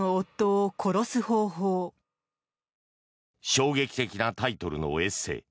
衝撃的なタイトルのエッセー。